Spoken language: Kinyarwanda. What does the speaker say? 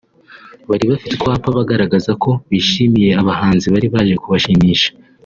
bari bafite utwapa bagaragaza ko bishimiye abahanzi bari baje kubashimisha